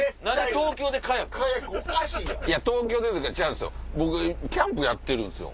東京でとかちゃうんすよ